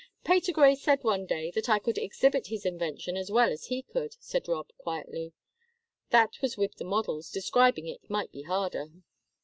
"Patergrey said one day that I could exhibit his invention as well as he could," said Rob, quietly. "That was with the models; describing it might be harder."